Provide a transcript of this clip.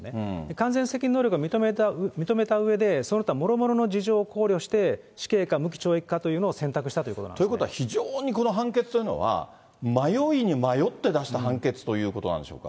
完全責任能力を認めたうえで、その他もろもろの事情を考慮して死刑か無期懲役かというのを選択ということは、非常にこの判決というのは、迷いに迷って出した判決ということなんでしょうか。